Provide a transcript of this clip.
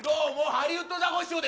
ハリウッドザコシショウ。